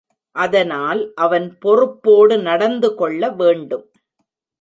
அதனால் அவன் பொறுப்போடு நடந்துகொள்ள வேண்டும்.